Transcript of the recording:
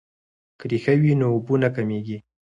که ریښه وي نو اوبه نه کمیږي.